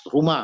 ada di rumah